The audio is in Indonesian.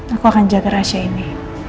aku akan jaga rahasia ini